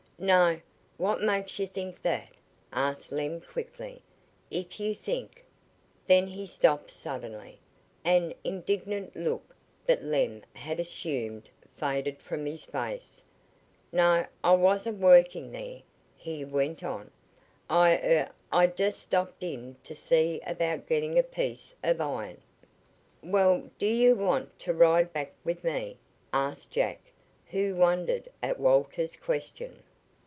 "No. What made you think that?" asked Lem quickly. "If you think " Then he stopped suddenly. An indignant look, that Lem had assumed, faded from his face. "No, I wasn't workin' there," he went on. "I er I just stopped in to see about gettin' a piece of iron." "Well, do you want to ride back with me?" asked Jack, who wondered at Walter's question.